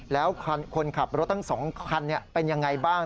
แล้วคนขับรถทั้ง๒คันเป็นยังไงบ้าง